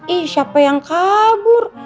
ih siapa yang kabur